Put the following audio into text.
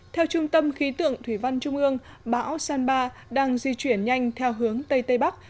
theo trung tâm khí tượng thủy văn trung ương bão san ba đang di chuyển nhanh theo hướng tây tây bắc